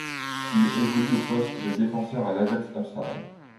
Il évolue au poste de défenseur à l'Ajax Amsterdam.